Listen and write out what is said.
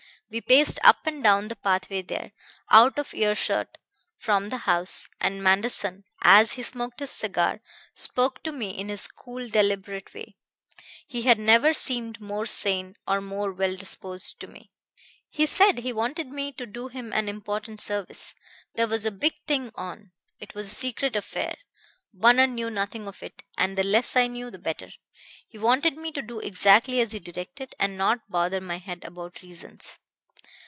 We paced up and down the pathway there, out of earshot from the house, and Manderson, as he smoked his cigar, spoke to me in his cool, deliberate way. He had never seemed more sane, or more well disposed to me. "He said he wanted me to do him an important service. There was a big thing on. It was a secret affair. Bunner knew nothing of it, and the less I knew the better. He wanted me to do exactly as he directed, and not bother my head about reasons.